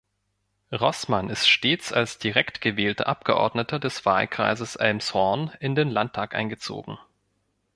Rossmann ist stets als direkt gewählter Abgeordneter des Wahlkreises Elmshorn in den Landtag eingezogen.